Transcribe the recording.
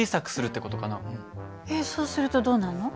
えっそうするとどうなるの？